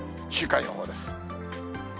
週間予報です。